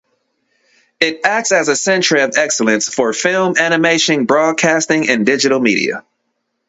It acts as a centre of excellence for film, animation, broadcasting and digital media.